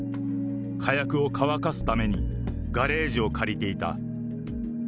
火薬を乾かすために、ガレージを借りていた。